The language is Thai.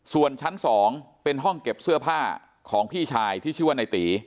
ส่วนชั้น๒เป็นห้องเก็บเสื้อผ้าของพี่ชายที่ชื่อว่าในตี